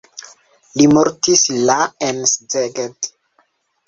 Li mortis la en Szeged.